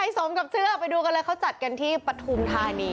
ใส่ซมกับชื่อไปดูกันเลยจัดกันที่ปฐุมฐานี